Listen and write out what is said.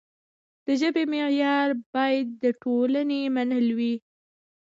د ژبې معیار باید د ټولنې منل وي.